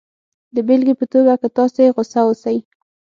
د بېلګې په توګه که تاسې غسه اوسئ